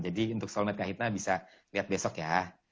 jadi untuk soulmate kak hidna bisa lihat besok ya